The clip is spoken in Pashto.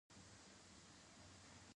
عبادت د ژوند تګلاره ده.